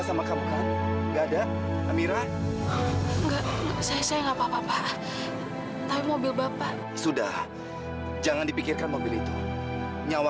sampai jumpa di video selanjutnya